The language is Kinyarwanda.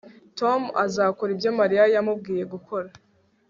Tom azakora ibyo Mariya yamubwiye gukora